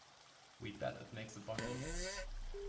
We bet it makes a bundle.